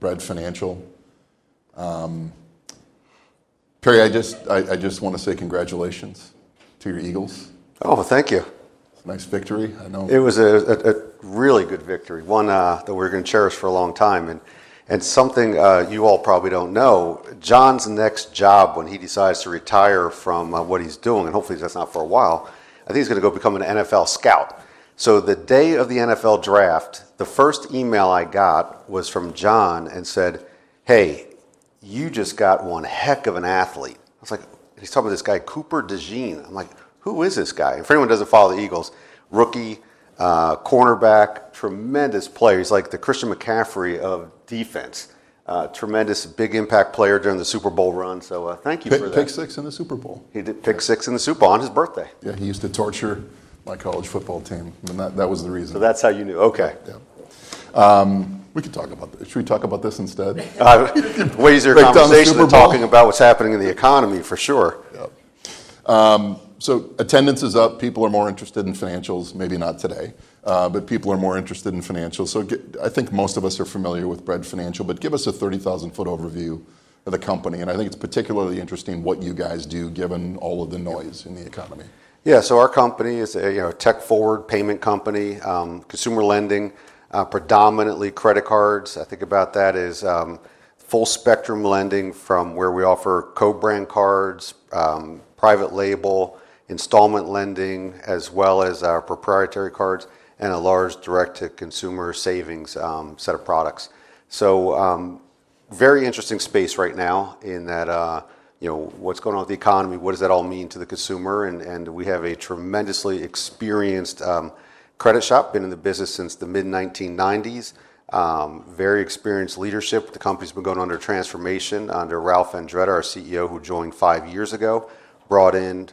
Of Bread Financial. Perry, I just, I just want to say congratulations to your Eagles. Oh, well, thank you. It's a nice victory. I know. It was a really good victory, one that we're going to cherish for a long time, and something you all probably don't know. John's next job, when he decides to retire from what he's doing—and hopefully that's not for a while—I think he's going to go become an NFL scout. The day of the NFL draft, the first email I got was from John and said, "Hey, you just got one heck of an athlete." I was like, and he's talking about this guy, Cooper DeJean. I'm like, "Who is this guy?" If anyone doesn't follow the Eagles, rookie, cornerback, tremendous player. He's like the Christian McCaffrey of defense. Tremendous, big impact player during the Super Bowl run, so thank you for that. He did pick six in the Super Bowl. He did pick six in the Super Bowl on his birthday. Yeah, he used to torture my college football team, and that was the reason. So that's how you knew. Okay. Yeah. We could talk about this. Should we talk about this instead? Was your conversation talking about what's happening in the economy, for sure. Yep. So attendance is up. People are more interested in financials. Maybe not today, but people are more interested in financials. So I think most of us are familiar with Bread Financial, but give us a 30,000-foot overview of the company, and I think it's particularly interesting what you guys do, given all of the noise in the economy. Yeah, so our company is a tech-forward payment company, consumer lending, predominantly credit cards. I think about that as full-spectrum lending from where we offer co-brand cards, private label, installment lending, as well as our proprietary cards, and a large direct-to-consumer savings set of products, so very interesting space right now in that, you know, what's going on with the economy, what does that all mean to the consumer, and we have a tremendously experienced credit shop, been in the business since the mid-1990s. Very experienced leadership. The company's been going under transformation under Ralph Andretta, our CEO, who joined five years ago, brought in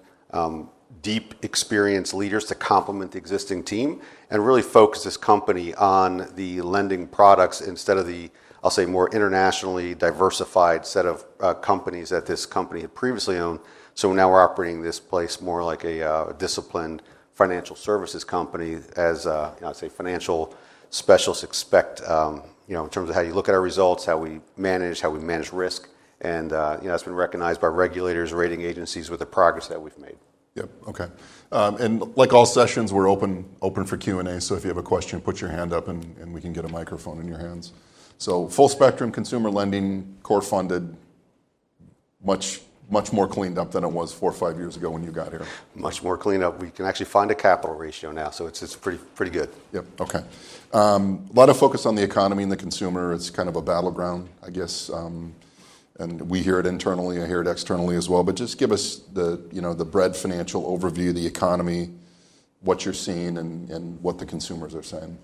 deep, experienced leaders to complement the existing team and really focus this company on the lending products instead of the, I'll say, more internationally diversified set of companies that this company had previously owned. So now we're operating this place more like a disciplined financial services company as, you know, I'd say financial specialists expect, you know, in terms of how you look at our results, how we manage, how we manage risk. And, you know, that's been recognized by regulators, rating agencies with the progress that we've made. Yep. Okay. And like all sessions, we're open for Q&A. So if you have a question, put your hand up and we can get a microphone in your hands. So full-spectrum consumer lending, core funded, much, much more cleaned up than it was four or five years ago when you got here. Much more cleaned up. We can actually find a capital ratio now, so it's pretty good. Yep. Okay. A lot of focus on the economy and the consumer. It's kind of a battleground, I guess, and we hear it internally. I hear it externally as well, but just give us the, you know, the Bread Financial overview, the economy, what you're seeing and what the consumers are saying.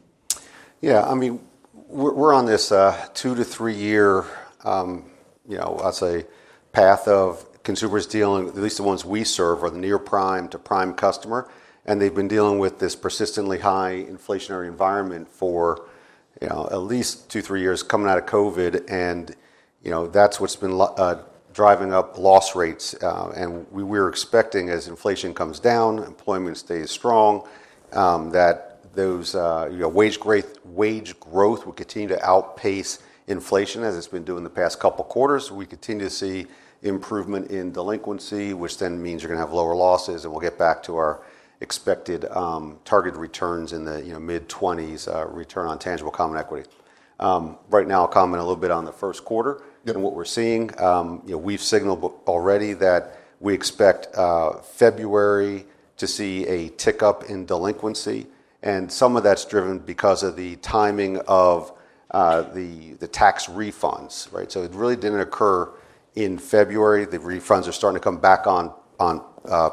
Yeah, I mean, we're on this two to three-year, you know, I'll say, path of consumers dealing, at least the ones we serve, are the near prime to prime customer. And they've been dealing with this persistently high inflationary environment for, you know, at least two, three years coming out of COVID. And, you know, that's what's been driving up loss rates. And we were expecting as inflation comes down, employment stays strong, that those, you know, wage growth would continue to outpace inflation as it's been doing the past couple of quarters. We continue to see improvement in delinquency, which then means you're going to have lower losses. And we'll get back to our expected target returns in the, you know, mid-20s return on tangible common equity. Right now, I'll comment a little bit on the first quarter and what we're seeing. You know, we've signaled already that we expect February to see a tick up in delinquency. And some of that's driven because of the timing of the tax refunds, right? So it really didn't occur in February. The refunds are starting to come back on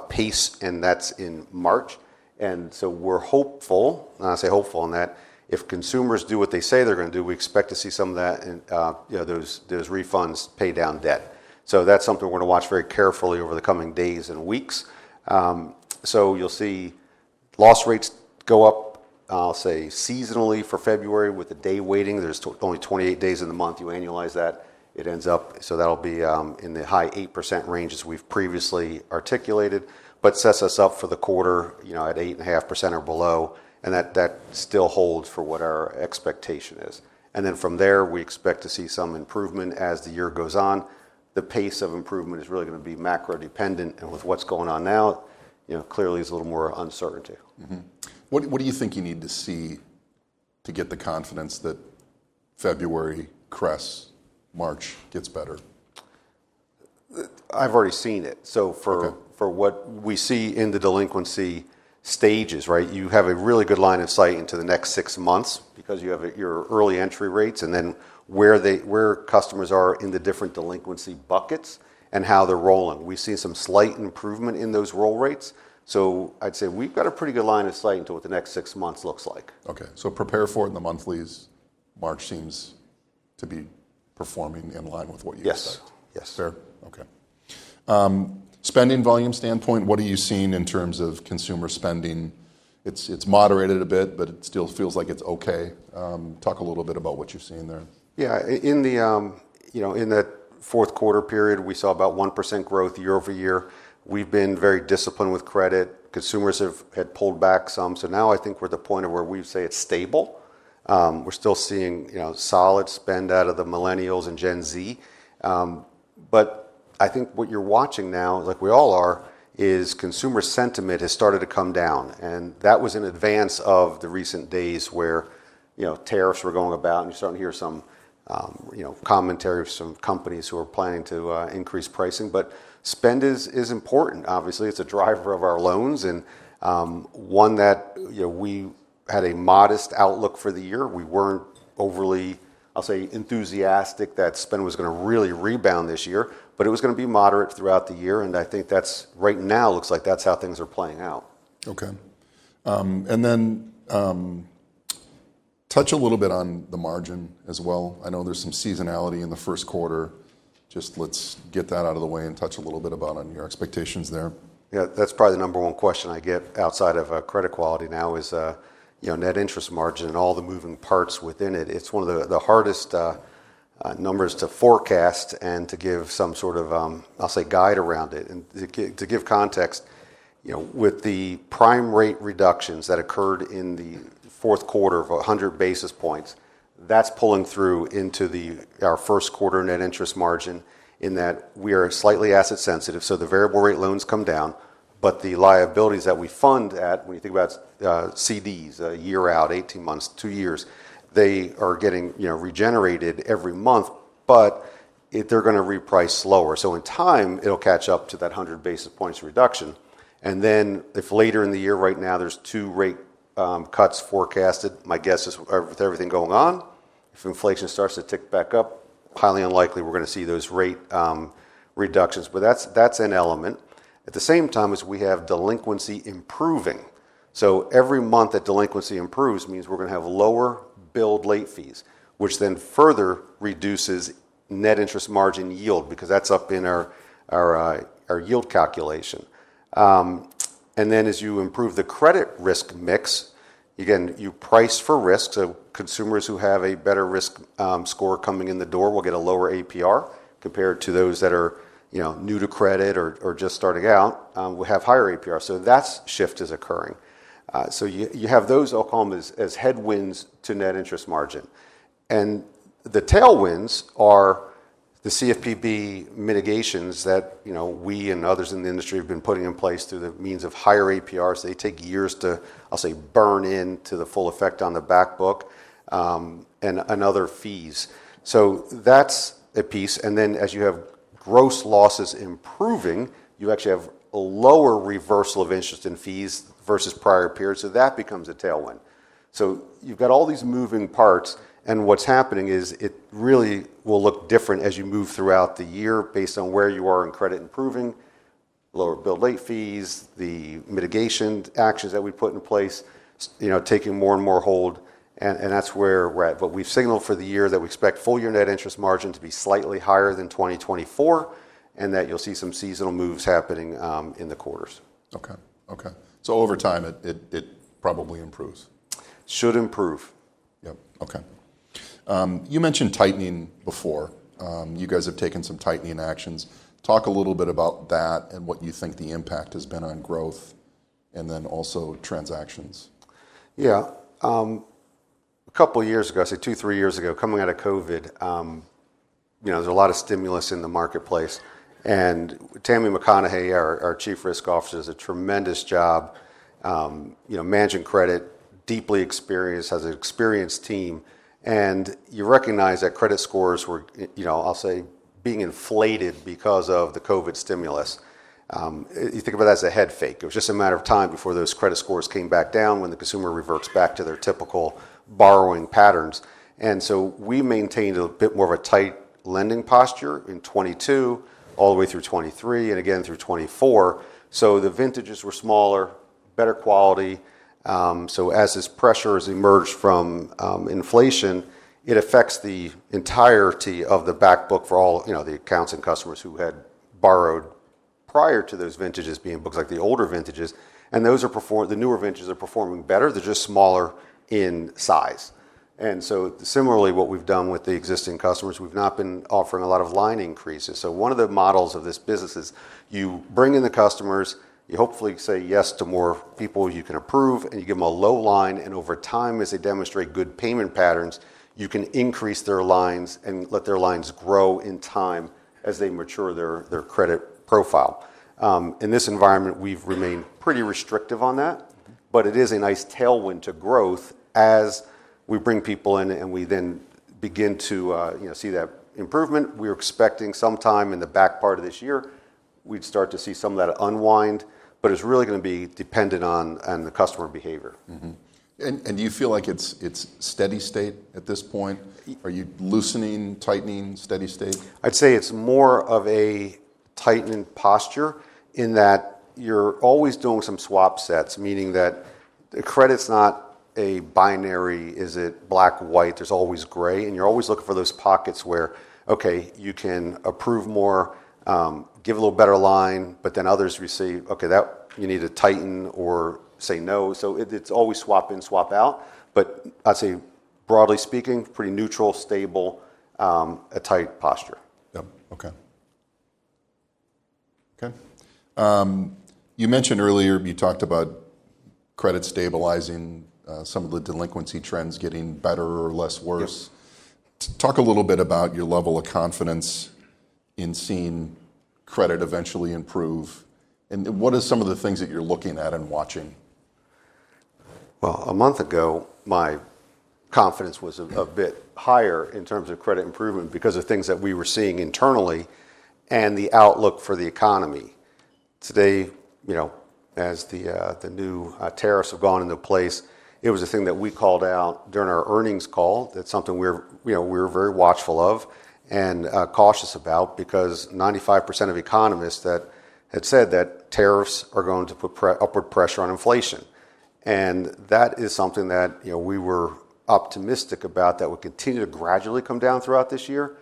pace, and that's in March. And so we're hopeful, and I say hopeful in that if consumers do what they say they're going to do, we expect to see some of that, you know, those refunds pay down debt. So that's something we're going to watch very carefully over the coming days and weeks. So you'll see loss rates go up, I'll say, seasonally for February with the day weighting. There's only 28 days in the month. You annualize that, it ends up, so that'll be in the high 8% range as we've previously articulated, but sets us up for the quarter, you know, at 8.5% or below, and that still holds for what our expectation is, and then from there, we expect to see some improvement as the year goes on. The pace of improvement is really going to be macro-dependent, and with what's going on now, you know, clearly there's a little more uncertainty. What do you think you need to see to get the confidence that February crests, March gets better? I've already seen it. So for what we see in the delinquency stages, right, you have a really good line of sight into the next six months because you have your early entry rates and then where customers are in the different delinquency buckets and how they're rolling. We've seen some slight improvement in those roll rates. So I'd say we've got a pretty good line of sight into what the next six months looks like. Okay, so prepare for it in the monthlies. March seems to be performing in line with what you expect. Yes. Yes. Fair? Okay. Spending volume standpoint, what are you seeing in terms of consumer spending? It's moderated a bit, but it still feels like it's okay. Talk a little bit about what you've seen there. Yeah. In the, you know, in that fourth quarter period, we saw about 1% growth year-over-year. We've been very disciplined with credit. Consumers have pulled back some. So now I think we're at the point of where we say it's stable. We're still seeing, you know, solid spend out of the Millennials and Gen Z. But I think what you're watching now, like we all are, is consumer sentiment has started to come down. And that was in advance of the recent days where, you know, tariffs were going about and you started to hear some, you know, commentary of some companies who are planning to increase pricing. But spend is important, obviously. It's a driver of our loans and one that, you know, we had a modest outlook for the year. We weren't overly, I'll say, enthusiastic that spend was going to really rebound this year, but it was going to be moderate throughout the year. And I think that's right now looks like that's how things are playing out. Okay. And then touch a little bit on the margin as well. I know there's some seasonality in the first quarter. Just let's get that out of the way and touch a little bit about on your expectations there. Yeah, that's probably the number one question I get outside of credit quality now is, you know, net interest margin and all the moving parts within it. It's one of the hardest numbers to forecast and to give some sort of, I'll say, guide around it. And to give context, you know, with the prime rate reductions that occurred in the fourth quarter of 100 basis points, that's pulling through into our first quarter net interest margin in that we are slightly asset sensitive. So the variable rate loans come down, but the liabilities that we fund at, when you think about CDs, a year out, 18 months, two years, they are getting, you know, regenerated every month, but they're going to reprice slower. So in time, it'll catch up to that 100 basis points reduction. And then, if later in the year right now there's two rate cuts forecasted, my guess is with everything going on, if inflation starts to tick back up, highly unlikely we're going to see those rate reductions. But that's an element. At the same time as we have delinquency improving. So every month that delinquency improves means we're going to have lower billed late fees, which then further reduces net interest margin yield because that's up in our yield calculation. And then as you improve the credit risk mix, again, you price for risk. So consumers who have a better risk score coming in the door will get a lower APR compared to those that are, you know, new to credit or just starting out, will have higher APR. So that shift is occurring. So you have those, I'll call them as headwinds to net interest margin. And the tailwinds are the CFPB mitigations that, you know, we and others in the industry have been putting in place through the means of higher APRs. They take years to, I'll say, burn into the full effect on the backbook and other fees. So that's a piece. And then as you have gross losses improving, you actually have a lower reversal of interest in fees versus prior periods. So that becomes a tailwind. So you've got all these moving parts. And what's happening is it really will look different as you move throughout the year based on where you are in credit improving, lower billed late fees, the mitigation actions that we put in place, you know, taking more and more hold. And that's where we're at. But we've signaled for the year that we expect full year net interest margin to be slightly higher than 2024 and that you'll see some seasonal moves happening in the quarters. Okay. Okay. So over time, it probably improves. Should improve. Yep. Okay. You mentioned tightening before. You guys have taken some tightening actions. Talk a little bit about that and what you think the impact has been on growth and then also transactions. Yeah. A couple of years ago, I say two, three years ago, coming out of COVID, you know, there's a lot of stimulus in the marketplace. And Tammy McConnaughey, our Chief Risk Officer, does a tremendous job, you know, managing credit, deeply experienced, has an experienced team. And you recognize that credit scores were, you know, I'll say, being inflated because of the COVID stimulus. You think about that as a head fake. It was just a matter of time before those credit scores came back down when the consumer reverts back to their typical borrowing patterns. And so we maintained a bit more of a tight lending posture in 2022 all the way through 2023 and again through 2024. So the vintages were smaller, better quality. So, as this pressure has emerged from inflation, it affects the entirety of the backbook for all, you know, the accounts and customers who had borrowed prior to those vintages being booked, like the older vintages. And those are performing. The newer vintages are performing better. They're just smaller in size. And so, similarly, what we've done with the existing customers, we've not been offering a lot of line increases. So, one of the models of this business is you bring in the customers. You hopefully say yes to more people you can approve, and you give them a low line. And over time, as they demonstrate good payment patterns, you can increase their lines and let their lines grow in time as they mature their credit profile. In this environment, we've remained pretty restrictive on that, but it is a nice tailwind to growth as we bring people in and we then begin to, you know, see that improvement. We're expecting sometime in the back part of this year, we'd start to see some of that unwind, but it's really going to be dependent on the customer behavior. Do you feel like it's steady state at this point? Are you loosening, tightening steady state? I'd say it's more of a tightening posture in that you're always doing some swap sets, meaning that the credit's not a binary, is it black, white, there's always gray. And you're always looking for those pockets where, okay, you can approve more, give a little better line, but then others receive, okay, that you need to tighten or say no. So it's always swap in, swap out. But I'd say broadly speaking, pretty neutral, stable, a tight posture. Yep. Okay. Okay. You mentioned earlier, you talked about credit stabilizing, some of the delinquency trends getting better or less worse. Talk a little bit about your level of confidence in seeing credit eventually improve, and what are some of the things that you're looking at and watching? A month ago, my confidence was a bit higher in terms of credit improvement because of things that we were seeing internally and the outlook for the economy. Today, you know, as the new tariffs have gone into place, it was a thing that we called out during our earnings call. That's something we're, you know, we're very watchful of and cautious about because 95% of economists that had said that tariffs are going to put upward pressure on inflation. That is something that, you know, we were optimistic about that would continue to gradually come down throughout this year.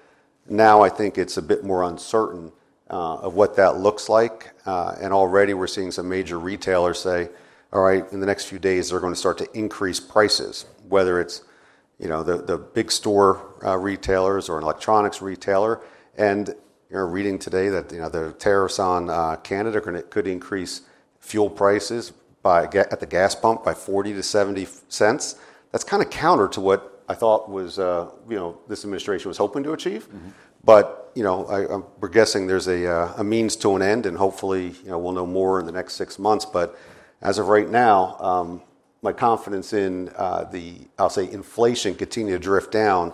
Now I think it's a bit more uncertain of what that looks like. Already we're seeing some major retailers say, all right, in the next few days, they're going to start to increase prices, whether it's, you know, the big store retailers or an electronics retailer. You're reading today that, you know, the tariffs on Canada could increase fuel prices at the gas pump by $0.40-$0.70. That's kind of counter to what I thought was, you know, this administration was hoping to achieve. You know, we're guessing there's a means to an end and hopefully, you know, we'll know more in the next six months. As of right now, my confidence in the, I'll say, inflation continuing to drift down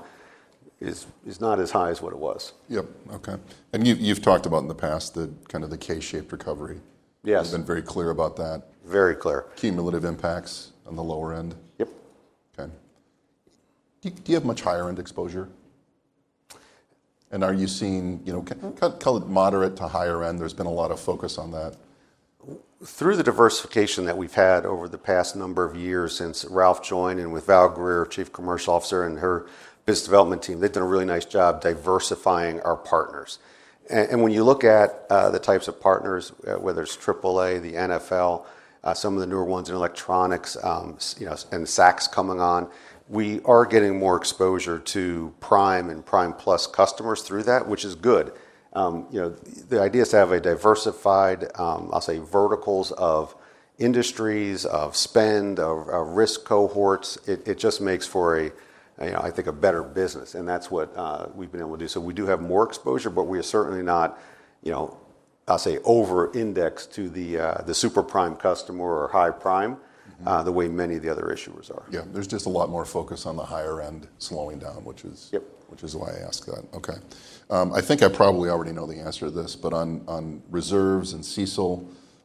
is not as high as what it was. Yep. Okay. And you've talked about in the past the kind of K-shaped recovery. Yes. You've been very clear about that. Very clear. Cumulative impacts on the lower end. Yep. Okay. Do you have much higher end exposure? And are you seeing, you know, call it moderate to higher end? There's been a lot of focus on that. Through the diversification that we've had over the past number of years since Ralph joined and with Val Greer, Chief Commercial Officer and her business development team, they've done a really nice job diversifying our partners. And when you look at the types of partners, whether it's AAA, the NFL, some of the newer ones in electronics, you know, and Saks coming on, we are getting more exposure to prime and prime plus customers through that, which is good. You know, the idea is to have a diversified, I'll say, verticals of industries, of spend, of risk cohorts. It just makes for a, you know, I think a better business. And that's what we've been able to do. So we do have more exposure, but we are certainly not, you know, I'll say over-indexed to the super prime customer or high prime the way many of the other issuers are. Yeah. There's just a lot more focus on the higher end slowing down, which is why I ask that. Okay. I think I probably already know the answer to this, but on reserves and CECL,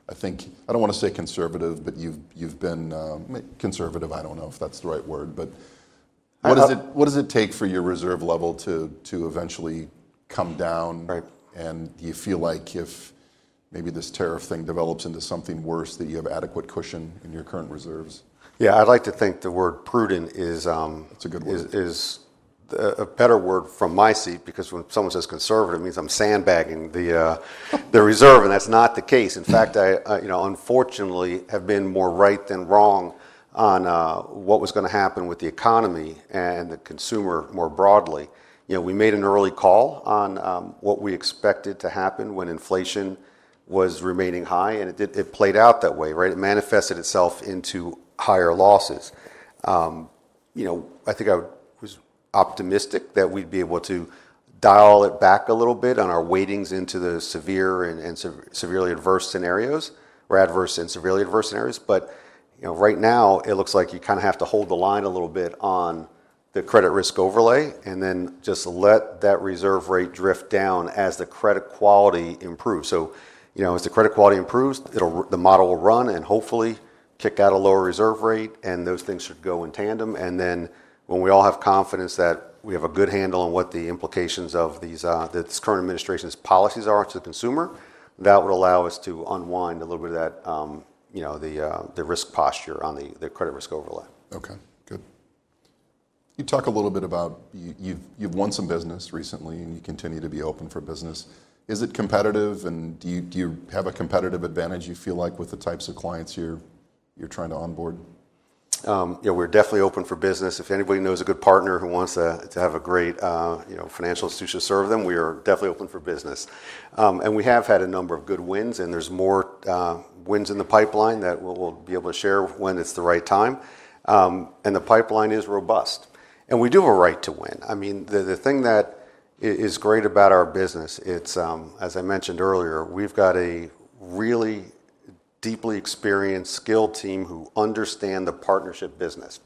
I think, I don't want to say conservative, but you've been conservative. I don't know if that's the right word, but what does it take for your reserve level to eventually come down? And do you feel like if maybe this tariff thing develops into something worse, that you have adequate cushion in your current reserves? Yeah. I'd like to think the word prudent is. That's a good word. It's a better word from my seat because when someone says conservative, it means I'm sandbagging the reserve, and that's not the case. In fact, I, you know, unfortunately have been more right than wrong on what was going to happen with the economy and the consumer more broadly. You know, we made an early call on what we expected to happen when inflation was remaining high, and it played out that way, right? It manifested itself into higher losses. You know, I think I was optimistic that we'd be able to dial it back a little bit on our weightings into the severe and severely adverse scenarios or adverse and severely adverse scenarios. But, you know, right now it looks like you kind of have to hold the line a little bit on the credit risk overlay and then just let that reserve rate drift down as the credit quality improves. So, you know, as the credit quality improves, the model will run and hopefully kick out a lower reserve rate. And those things should go in tandem. And then when we all have confidence that we have a good handle on what the implications of this current administration's policies are to the consumer, that would allow us to unwind a little bit of that, you know, the risk posture on the credit risk overlay. Okay. Good. You talk a little bit about you've won some business recently and you continue to be open for business. Is it competitive and do you have a competitive advantage you feel like with the types of clients you're trying to onboard? You know, we're definitely open for business. If anybody knows a good partner who wants to have a great, you know, financial institution to serve them, we are definitely open for business. And we have had a number of good wins and there's more wins in the pipeline that we'll be able to share when it's the right time. And the pipeline is robust. And we do have a right to win. I mean, the thing that is great about our business, it's, as I mentioned earlier, we've got a really deeply experienced skilled team who understand the partnership business.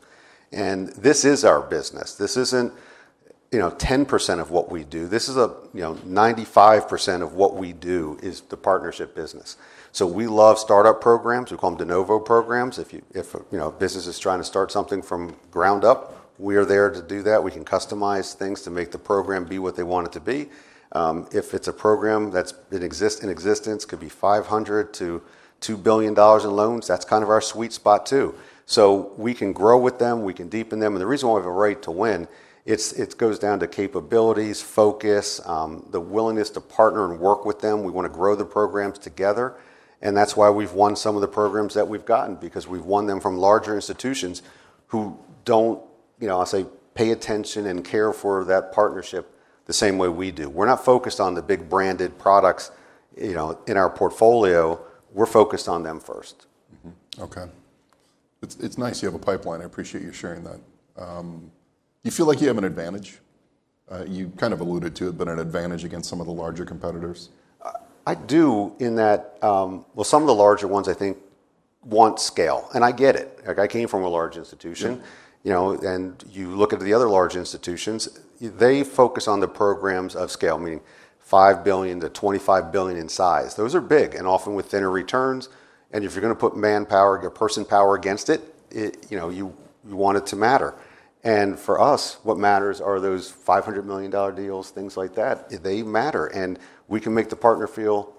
And this is our business. This isn't, you know, 10% of what we do. This is a, you know, 95% of what we do is the partnership business. So we love startup programs. We call them de novo programs. If, you know, a business is trying to start something from ground up, we are there to do that. We can customize things to make the program be what they want it to be. If it's a program that's in existence, could be $500-$2 billion in loans, that's kind of our sweet spot too. So we can grow with them, we can deepen them. And the reason why we have a right to win, it goes down to capabilities, focus, the willingness to partner and work with them. We want to grow the programs together. And that's why we've won some of the programs that we've gotten, because we've won them from larger institutions who don't, you know, I'll say, pay attention and care for that partnership the same way we do. We're not focused on the big branded products in our portfolio, we're focused on them first. Okay. It's nice you have a pipeline. I appreciate you sharing that. Do you feel like you have an advantage? You kind of alluded to it, but an advantage against some of the larger competitors? I do in that, well, some of the larger ones I think want scale. And I get it. Like I came from a large institution, you know, and you look at the other large institutions, they focus on the programs of scale, meaning $5 billion-$25 billion in size. Those are big and often with thinner returns. And if you're going to put manpower, your person power against it, you know, you want it to matter. And for us, what matters are those $500 million deals, things like that. They matter. And we can make the partner feel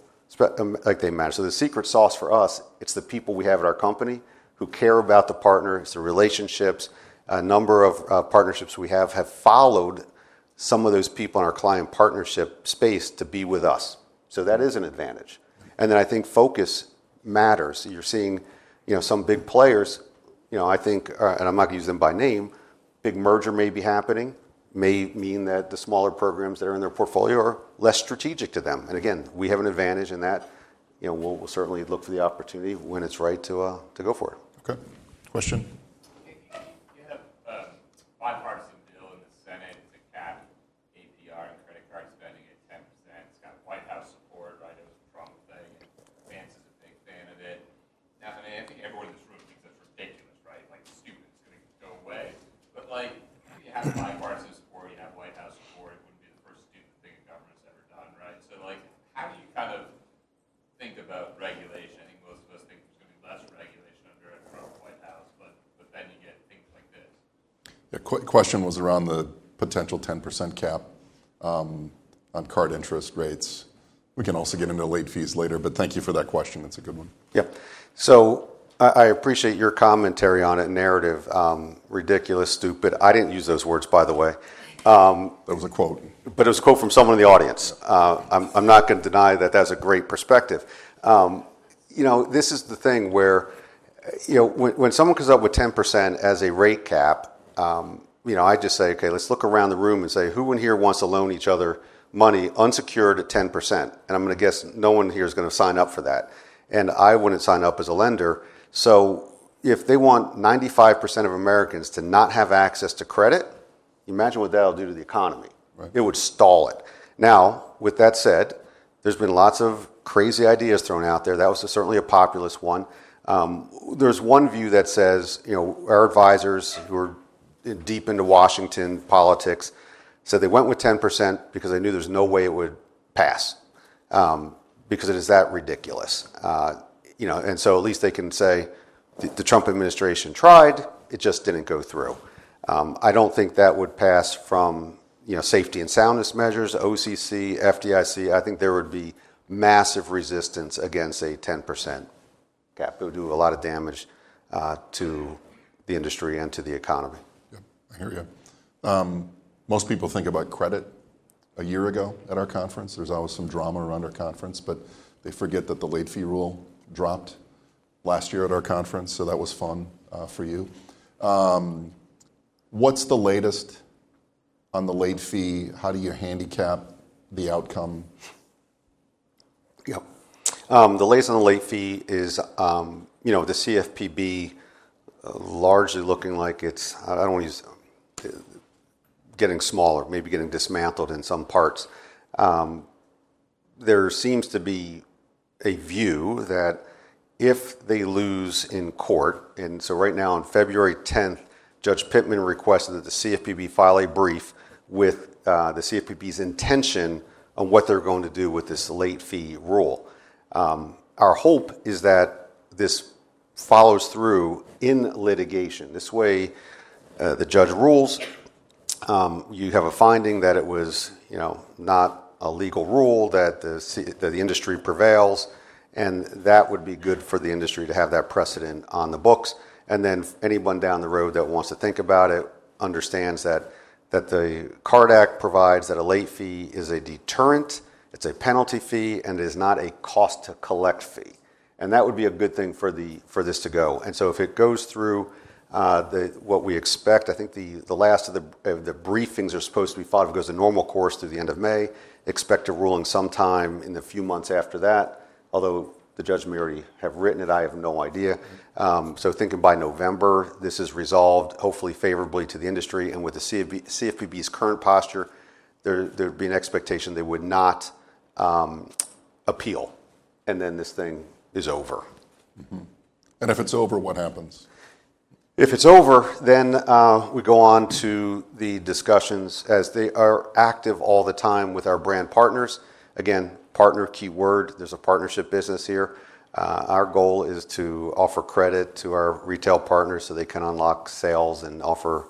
like they matter. So the secret sauce for us, it's the people we have at our company who care about the partner. It's the relationships. A number of partnerships we have followed some of those people in our client partnership space to be with us. So that is an advantage. And then I think focus matters. You're seeing, you know, some big players, you know, I think, and I'm not going to use them by name, big merger may be happening, may mean that the smaller programs that are in their portfolio are less strategic to them. And again, we have an advantage in that. You know, we'll certainly look for the opportunity when it's right to go for it. Okay. Question. You have you know, I just say, okay, let's look around the room and say, who in here wants to loan each other money unsecured at 10%? And I'm going to guess no one here is going to sign up for that. And I wouldn't sign up as a lender. So if they want 95% of Americans to not have access to credit, imagine what that'll do to the economy. It would stall it. Now, with that said, there's been lots of crazy ideas thrown out there. That was certainly a populist one. There's one view that says, you know, our advisors who are deep into Washington politics said they went with 10% because they knew there's no way it would pass because it is that ridiculous. You know, and so at least they can say the Trump administration tried, it just didn't go through. I don't think that would pass from, you know, safety and soundness measures, OCC, FDIC. I think there would be massive resistance against a 10% cap. It would do a lot of damage to the industry and to the economy. Yep. I hear you. Most people think about credit a year ago at our conference. There's always some drama around our conference, but they forget that the late fee rule dropped last year at our conference. So that was fun for you. What's the latest on the late fee? How do you handicap the outcome? Yep. The latest on the late fee is, you know, the CFPB largely looking like it's, I don't want to use getting smaller, maybe getting dismantled in some parts. There seems to be a view that if they lose in court, and so right now on February 10th, Judge Pittman requested that the CFPB file a brief with the CFPB's intention on what they're going to do with this late fee rule. Our hope is that this follows through in litigation. This way the judge rules, you have a finding that it was, you know, not a legal rule, that the industry prevails, and that would be good for the industry to have that precedent on the books, and then anyone down the road that wants to think about it understands that the CARD Act provides that a late fee is a deterrent. It's a penalty fee, and it is not a cost to collect fee, and that would be a good thing for this to go, and so if it goes through what we expect, I think the last of the briefings are supposed to be filed if it goes to normal course through the end of May, expect a ruling sometime in the few months after that. Although the judge may already have written it, I have no idea, so thinking by November, this is resolved hopefully favorably to the industry, and with the CFPB's current posture, there'd be an expectation they would not appeal, and then this thing is over. And if it's over, what happens? If it's over, then we go on to the discussions as they are active all the time with our brand partners. Again, partner, key word, there's a partnership business here. Our goal is to offer credit to our retail partners so they can unlock sales and offer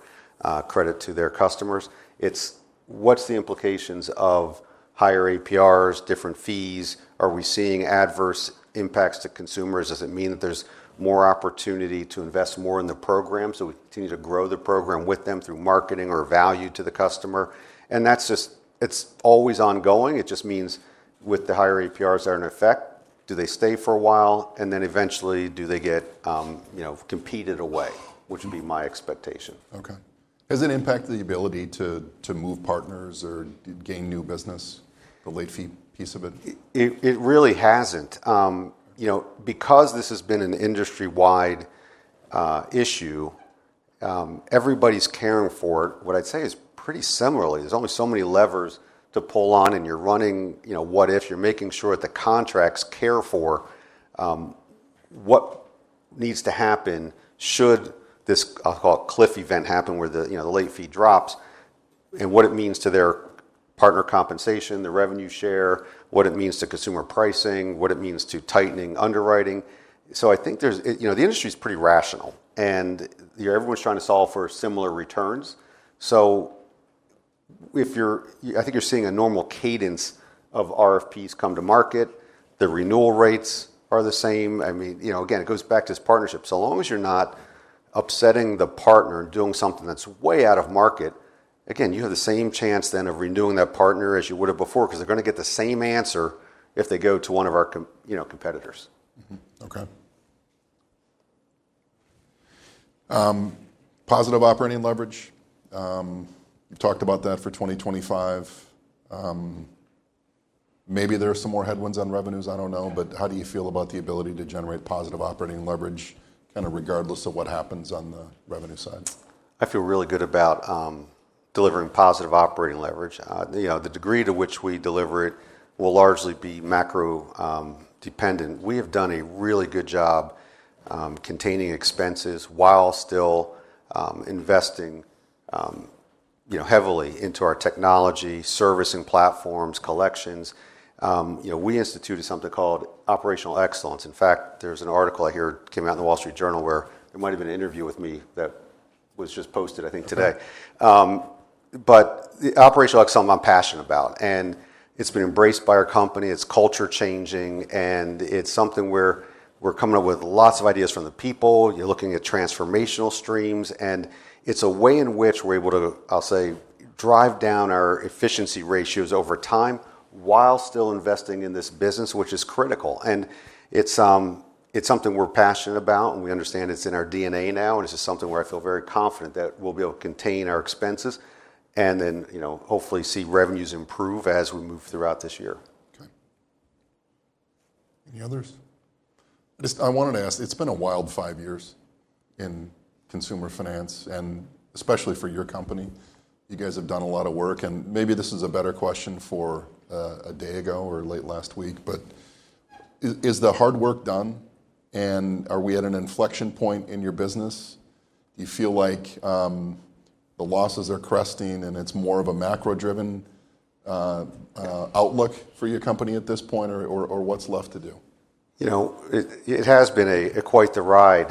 credit to their customers. It's, what's the implications of higher APRs, different fees? Are we seeing adverse impacts to consumers? Does it mean that there's more opportunity to invest more in the program? So we continue to grow the program with them through marketing or value to the customer. And that's just, it's always ongoing. It just means with the higher APRs that are in effect, do they stay for a while? And then eventually do they get, you know, competed away, which would be my expectation. Okay. Has it impacted the ability to move partners or gain new business, the late fee piece of it? It really hasn't. You know, because this has been an industry-wide issue, everybody's preparing for it. What I'd say is pretty similarly, there's only so many levers to pull on and you're running, you know, what if, you're making sure that the contracts provide for what needs to happen should this, I'll call it cliff event, happen where the, you know, the late fee drops and what it means to their partner compensation, the revenue share, what it means to consumer pricing, what it means to tightening underwriting. So I think there's, you know, the industry's pretty rational and everyone's trying to solve for similar returns. So if you're, I think you're seeing a normal cadence of RFPs come to market. The renewal rates are the same. I mean, you know, again, it goes back to this partnership. So long as you're not upsetting the partner and doing something that's way out of market, again, you have the same chance then of renewing that partner as you would have before because they're going to get the same answer if they go to one of our, you know, competitors. Okay. Positive operating leverage. You talked about that for 2025. Maybe there are some more headwinds on revenues. I don't know. But how do you feel about the ability to generate positive operating leverage kind of regardless of what happens on the revenue side? I feel really good about delivering positive operating leverage. You know, the degree to which we deliver it will largely be macro dependent. We have done a really good job containing expenses while still investing, you know, heavily into our technology, servicing platforms, collections. You know, we instituted something called operational excellence. In fact, there's an article I heard came out in The Wall Street Journal where there might have been an interview with me that was just posted, I think today. But the operational excellence, I'm passionate about. And it's been embraced by our company. It's culture changing. And it's something where we're coming up with lots of ideas from the people. You're looking at transformational streams. And it's a way in which we're able to, I'll say, drive down our efficiency ratios over time while still investing in this business, which is critical. And it's something we're passionate about and we understand it's in our DNA now. And it's just something where I feel very confident that we'll be able to contain our expenses and then, you know, hopefully see revenues improve as we move throughout this year. Okay. Any others? I just, I wanted to ask, it's been a wild five years in consumer finance and especially for your company. You guys have done a lot of work. And maybe this is a better question for a day ago or late last week, but is the hard work done? And are we at an inflection point in your business? Do you feel like the losses are cresting and it's more of a macro-driven outlook for your company at this point or what's left to do? You know, it has been a quite the ride.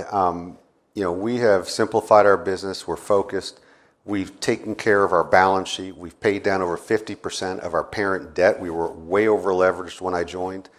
You know, we have simplified our business. We're focused. We've taken care of our balance sheet. We've paid down over 50% of our parent debt. We were way over leveraged when I joined.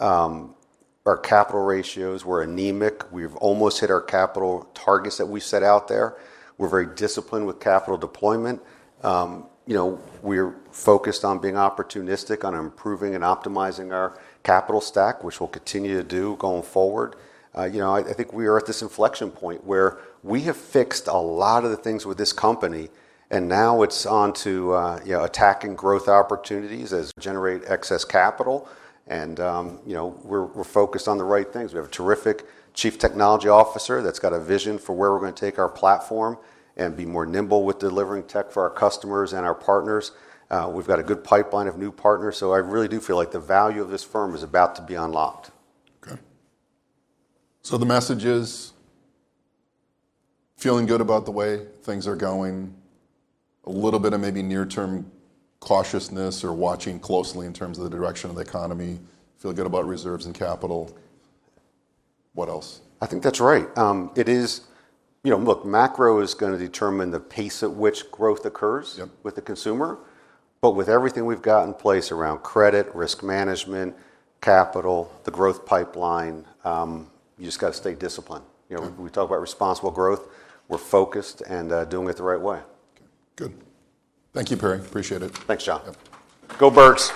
Our capital ratios were anemic. We've almost hit our capital targets that we set out there. We're very disciplined with capital deployment. You know, we're focused on being opportunistic on improving and optimizing our capital stack, which we'll continue to do going forward. You know, I think we are at this inflection point where we have fixed a lot of the things with this company. And now it's on to, you know, attacking growth opportunities as we generate excess capital. And, you know, we're focused on the right things. We have a terrific Chief Technology Officer that's got a vision for where we're going to take our platform and be more nimble with delivering tech for our customers and our partners. We've got a good pipeline of new partners. So I really do feel like the value of this firm is about to be unlocked. Okay, so the message is feeling good about the way things are going, a little bit of maybe near-term cautiousness or watching closely in terms of the direction of the economy, feel good about reserves and capital. What else? I think that's right. It is, you know, look, macro is going to determine the pace at which growth occurs with the consumer. But with everything we've got in place around credit, risk management, capital, the growth pipeline, you just got to stay disciplined. You know, we talk about responsible growth. We're focused and doing it the right way. Okay. Good. Thank you, Perry. Appreciate it. Thanks, John. Yep. Go Birds.